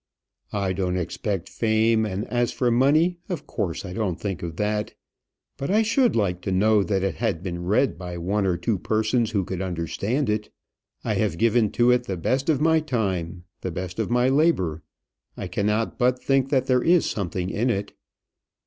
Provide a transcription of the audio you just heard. "I don't expect fame; and as for money, of course I don't think of that. But I should like to know that it had been read by one or two persons who could understand it. I have given to it the best of my time, the best of my labour. I cannot but think that there is something in it."